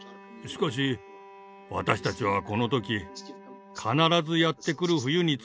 しかし私たちはこの時必ずやって来る冬について考えていました。